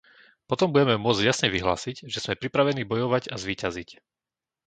Potom budeme môcť jasne vyhlásiť, že sme pripravení bojovať a zvíťaziť.